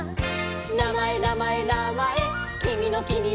「なまえなまえなまえきみのきみのなまえ」